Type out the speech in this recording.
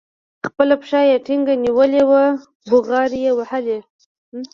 خپله پښه يې ټينګه نيولې وه بوغارې يې وهلې.